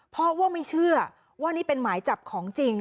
เพราะว่าไม่เชื่อว่านี่เป็นหมายจับของจริง